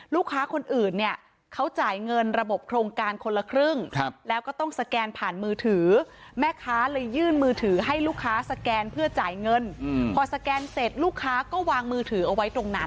ลูกค้าคนอื่นเนี่ยเขาจ่ายเงินระบบโครงการคนละครึ่งแล้วก็ต้องสแกนผ่านมือถือแม่ค้าเลยยื่นมือถือให้ลูกค้าสแกนเพื่อจ่ายเงินพอสแกนเสร็จลูกค้าก็วางมือถือเอาไว้ตรงนั้น